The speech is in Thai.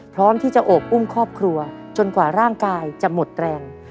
พร้อมที่จะโอบอุ้มครอบครัวจนกว่าร่างกายจะหมดแรง